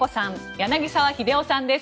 柳澤秀夫さんです。